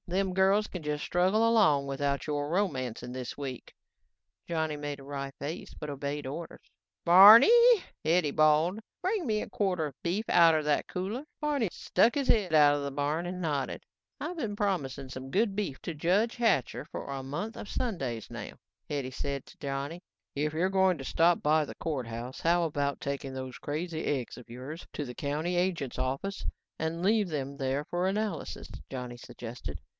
Them girls can just struggle along without your romancing this week." Johnny made a wry face but obeyed orders. "Barneeey," Hetty bawled, "bring me a quarter of beef outta the cooler." Barney stuck his head out of the barn and nodded. "I been promising some good beef to Judge Hatcher for a month of Sundays now," Hetty said to Johnny. "If you're going to stop by the courthouse, how about taking those crazy eggs of yours into the county agent's office and leave them there for analysis," Johnny suggested.